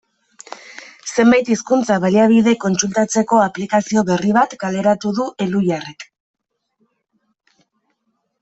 Zenbait hizkuntza-baliabide kontsultatzeko aplikazio berri bat kaleratu du Elhuyarrek.